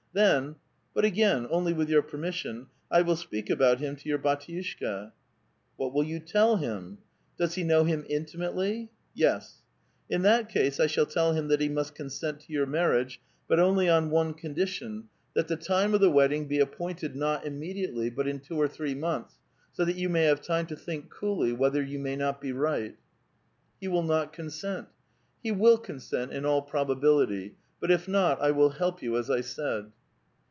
Then — but again, only with your permission — I will speak about him to your bdtiushka." ''What will you tell him?" " Does he know him intimately? " "Yes." " In that case, I shall tell him that he must consent to your marriage, but only on one condition, that the time of A VITAL QUESTION, 405 the wedding be appointed not immediately, but in two or three months, so that you may have time to think coolly, whether you may not bo right." '• He will not consent." " He will consent in all probability. But if not, I will help you, as I said."